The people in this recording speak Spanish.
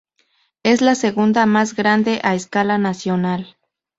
Es la segunda más grande a escala nacional.